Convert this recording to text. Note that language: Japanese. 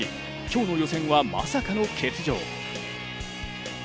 今日の予選は、まさかの欠場。